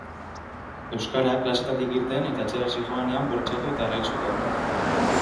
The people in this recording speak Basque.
Euskara klaseetatik irten eta etxera zihoanean bortxatu eta erail zuten.